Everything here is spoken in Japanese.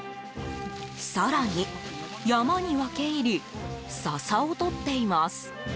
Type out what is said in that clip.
更に、山に分け入り笹をとっています。